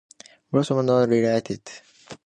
Both were not re-elected.